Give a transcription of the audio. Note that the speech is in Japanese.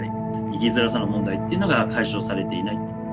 生きづらさの問題というのが解消されていない。